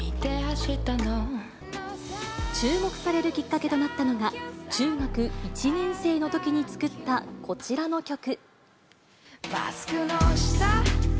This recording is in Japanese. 注目されるきっかけとなったのが、中学１年生のときに作ったこちらの曲。